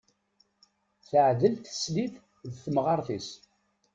Teɛdel teslit d temɣart-is.